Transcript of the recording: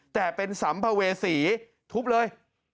แต่เป็นสัมภเวษีทุบเลย